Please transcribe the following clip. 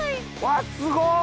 わっすご！